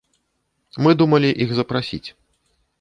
Мы думалі іх запрасіць.